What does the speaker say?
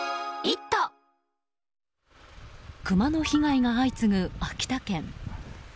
クマの被害が相次ぐ秋田県。